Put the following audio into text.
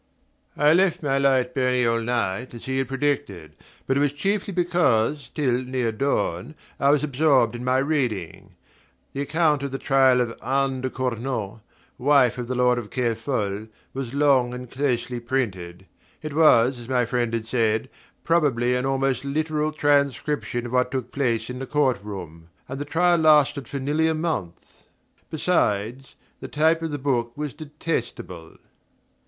I left my light burning all night, as he had predicted; but it was chiefly because, till near dawn, I was absorbed in my reading. The account of the trial of Anne de Cornault, wife of the lord of Kerfol, was long and closely printed. It was, as my friend had said, probably an almost literal transcription of what took place in the court room; and the trial lasted nearly a month. Besides, the type of the book was detestable...